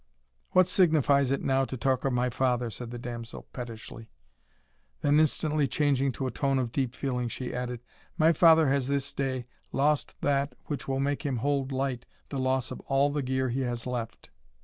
"What signifies it now to talk of my father?" said the damsel, pettishly; then instantly changing to a tone of deep feeling, she added, "my father has this day lost that which will make him hold light the loss of all the gear he has left."